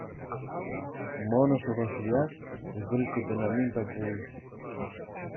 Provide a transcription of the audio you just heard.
Μόνος ο Βασιλιάς βρίσκεται να μην τ' ακούει